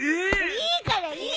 いいからいいから。